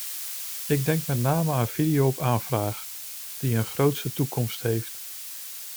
Ik denk met name aan video op aanvraag, die een grootse toekomst heeft.